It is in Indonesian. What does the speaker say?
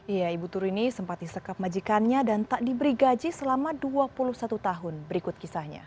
iya ibu turini sempat disekap majikannya dan tak diberi gaji selama dua puluh satu tahun berikut kisahnya